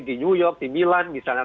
di new york di milan misalnya